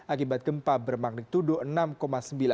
akibat gempa bermagnitudo enam sembilan